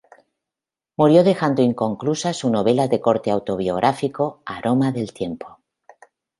Murió dejando inconclusa su novela de corte autobiográfico "Aroma del tiempo".